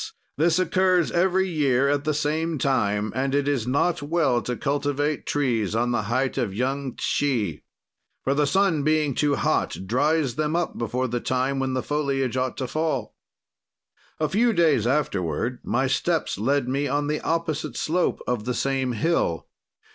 This occurs every year at the same time, and it is not well to cultivate trees on the height of Yung Tshi, for the sun, being too hot, dries them up before the time when the foliage ought to fall.' "A few days afterward my steps lead me on the opposite slope of the same hill.